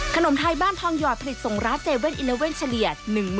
ขนมไทยบ้านทองหยอดผลิตส่งร้าน๗๑๑เฉลี่ย